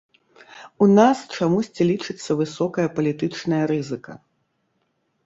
У нас, чамусьці, лічыцца, высокая палітычная рызыка.